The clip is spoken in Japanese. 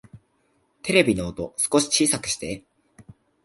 テレビの音、少し小さくして